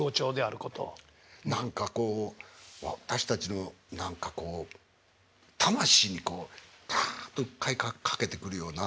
何かこう私たちの何かこう魂にこうだっと訴えかけてくるような